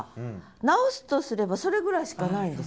直すとすればそれぐらいしかないです。